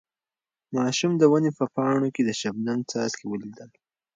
ماشوم د ونې په پاڼو کې د شبنم څاڅکي ولیدل.